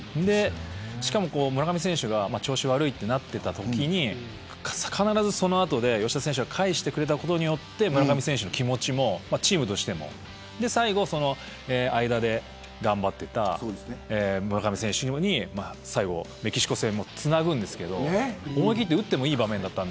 しかも村上選手が調子が悪いときに必ずその後で吉田選手が返してくれたことで村上選手の気持ちもチームとしても最後は、その間で頑張っていた村上選手に最後メキシコ戦もつなぐんですけど思い切って打ってもいい場面でした。